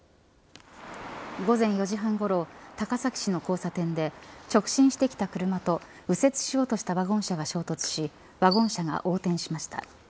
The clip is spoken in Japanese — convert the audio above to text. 午前４時半ごろ高崎市の交差点で直進してきた車と右折しようとしたワゴン車が衝突しワゴン車が横転しました。